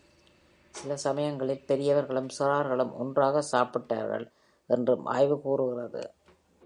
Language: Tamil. சில சமயங்களில் பெரியவர்களும் சிறார்களும் ஒன்றாக சாப்பிட்டார்கள் என்றும் ஆய்வு கூறுகிறது.